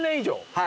はい。